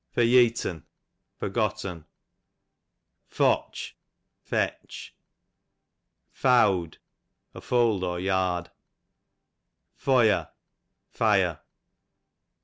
Foryeat'n , forgotten. Fotch, fetch. Fowd, a fold, or yard. Fojar, flre.